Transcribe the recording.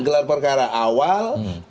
gelar perkara awal